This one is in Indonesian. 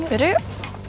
ya udah yuk